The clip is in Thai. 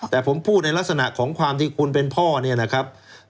แต่ผมพูดในลักษณะของความที่คุณเป็นพ่อเนี่ยนะครับ